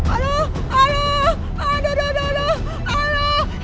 aduh aduh aduh aduh aduh aduh